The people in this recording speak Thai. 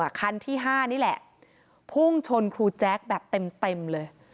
คันที่๕นี่แหละพุ่งชนครูแจ๊คแบบเต็มเลย